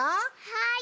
はい！